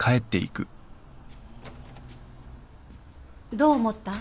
どう思った？